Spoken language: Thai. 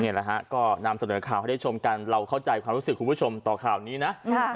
นะฮะก็นำเสนอข่าวให้ได้ชมกันเราเข้าใจความรู้สึกคุณผู้ชมต่อข่าวนี้นะ